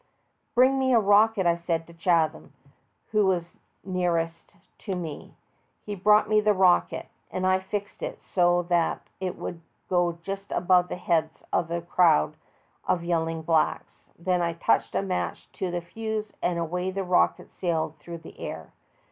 "Bring me a rocket,'' I said to Chatham, who was nearest to me. He brought me the rocket, and I fixed it so that it would go just above the heads of the crowd of yelling blacks. Then I touched a match to the fuse, and away the rocket sailed through the air.